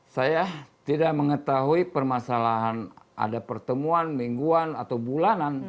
saya tidak mengetahui permasalahan ada pertemuan mingguan atau bulanan